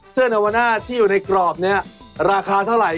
เสื้อเนื้อวนะที่อยู่ในกรอบนี้ราคาเท่าไหร่